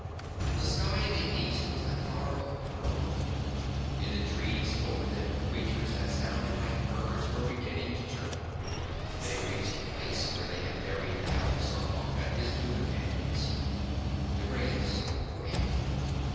The sky in the east was the color of pearl. In the trees over them, creatures that sounded like birds were beginning to chirp. They reached the place where they had buried Hal Sarkoff and his two companions. The graves were empty.